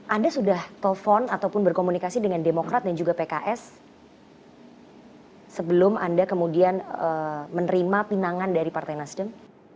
anda sudah telepon ataupun berkomunikasi dengan demokrat dan juga pks sebelum anda kemudian menerima pinangan dari partai nasdem